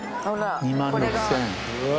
２万６，０００円。